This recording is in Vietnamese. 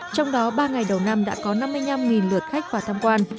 trong đó ba ngày đầu năm đã có năm mươi năm lượt khách vào tham quan